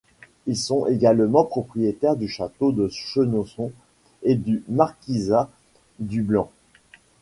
Ils sont également propriétaires du château de Chenonceau et du marquisat du Blanc.